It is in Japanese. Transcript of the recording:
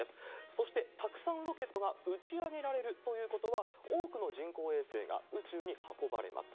そしてたくさんロケットが打ち上げられるということは、多くの人工衛星が宇宙に運ばれます。